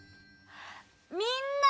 みんな！